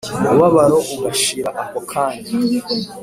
Umubabaro ugashira ako kanya